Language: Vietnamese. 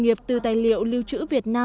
cho mình nhiều tiền